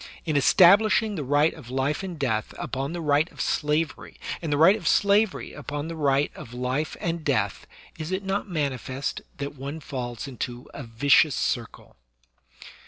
In establishing the right of life and death upon the right of slavery, and the right of slavery upon the right of life and death, is it not manifest that one falls into a vicious circle